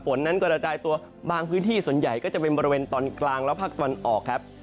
ฝนนั้นกระจายตัวบางพื้นที่ส่วนใหญ่ก็จะเป็นบริเวณตอนกลางและภาคตะวันออกครับ